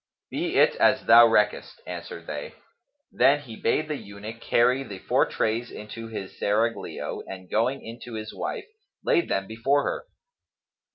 "Be it as thou reckest," answered they. Then he bade the eunuch carry the four trays into his serraglio and going in to his wife, laid them before her.